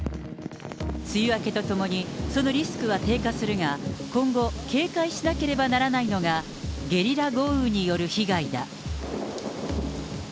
梅雨明けとともに、そのリスクは低下するが、今後、警戒しなければならないのが、ゲリラ豪雨による被害だ。